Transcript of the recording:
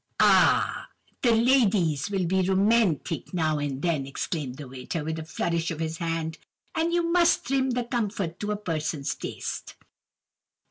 "'Ah!—the ladies will be romantic now and then!' exclaimed the waiter, with a flourish of his hand, 'and you must trim the comfort to a person's taste.